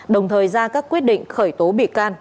đồng thời ra các quyết định khởi tố bị can